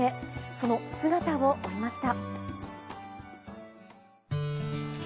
その姿を追いました。